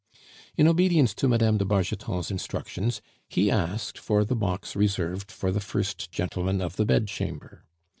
In obedience to Mme. de Bargeton's instructions, he asked for the box reserved for the First Gentleman of the Bedchamber.